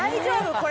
これ。